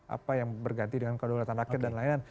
apa yang berganti dengan kedaulatan rakyat dan lain lain